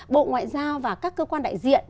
bộ ngoại giao và các cơ quan đại diện